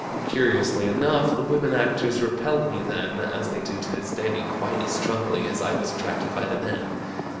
Curiously enough, the women actors repelled me then (as they do to this day) quite as strongly as I was attracted by the men.